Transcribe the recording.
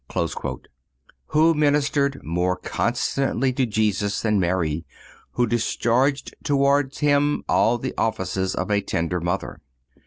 (253) Who ministered more constantly to Jesus than Mary, who discharged towards Him all the offices of a tender mother?